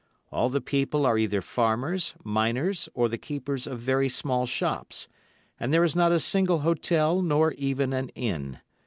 All the people are either farmers, miners, or the keepers of very small shops, and there is not a single hotel nor even an inn.